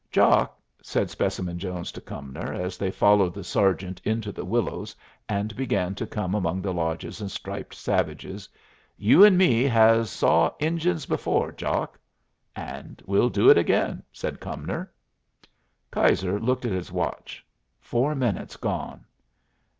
"Jock," said Specimen Jones to Cumnor, as they followed the sergeant into the willows and began to come among the lodges and striped savages, "you and me has saw Injuns before, Jock." "And we'll do it again," said Cumnor. Keyser looked at his watch: Four minutes gone.